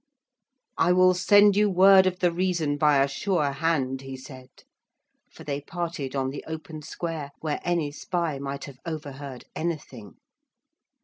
'I will send you word of the reason by a sure hand,' he said, for they parted on the open square, where any spy might have overheard anything.